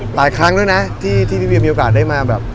หลายครั้งแล้วนะที่พี่เวียมีโอกาสได้มาแบบ